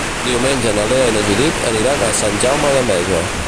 Diumenge na Lea i na Judit aniran a Sant Jaume d'Enveja.